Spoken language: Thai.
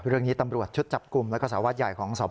เรื่องนี้ตำรวจชุดจับกลุ่มแล้วก็สาววัดใหญ่ของสพ